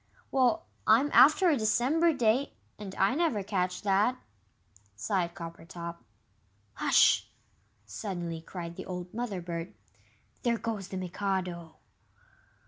"Well, I'm after a December day, and I never catch that," sighed Coppertop. "Hush!" suddenly cried the old Mother bird. "There goes the Mikado!"